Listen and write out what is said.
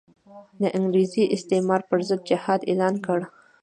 د انګریزي استعمار پر ضد جهاد اعلان کړ.